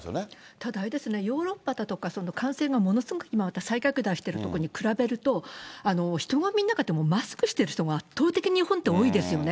ただ、あれですね、ヨーロッパだとか、感染がものすごくまた再拡大してる所に比べると、人混みの中でマスクしてる人が圧倒的に日本って多いですよね。